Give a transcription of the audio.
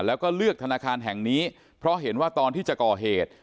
แล้วก็เลือกธนาคารแห่งนี้เพราะเห็นว่าตอนที่จะก่อเหตุ